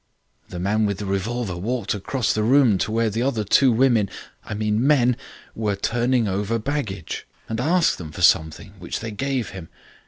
"The man with the revolver walked across the room to where the other two women I mean men were turning over baggage, and asked them for something which they gave him.